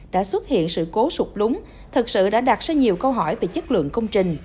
đã xuất hiện sự cố sụt lúng thật sự đã đạt ra nhiều câu hỏi về chất lượng công trình